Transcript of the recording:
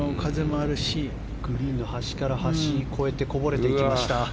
グリーンの端から端を越えこぼれていきました。